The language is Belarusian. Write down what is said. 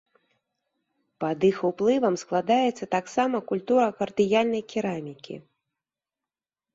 Пад іх уплывам складаецца таксама культура кардыяльнай керамікі.